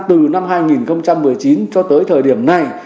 từ năm hai nghìn một mươi chín cho tới thời điểm này